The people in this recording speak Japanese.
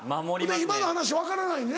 今の話分からないねな。